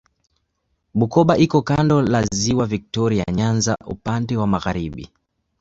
Bukoba iko kando la Ziwa Viktoria Nyanza upande wa magharibi.